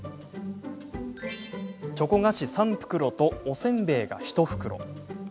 チョコ菓子３袋とおせんべいが１袋。